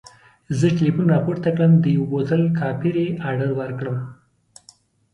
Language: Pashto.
زه ټلیفون راپورته کړم د یوه بوتل کاپري اډر ورکړم.